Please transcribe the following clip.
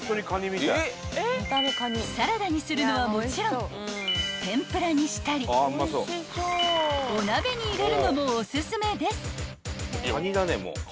［サラダにするのはもちろん天ぷらにしたりお鍋に入れるのもおすすめです］